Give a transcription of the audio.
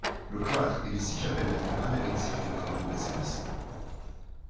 Le cloître et les six chapelles latérales exigent des travaux d'assainissement.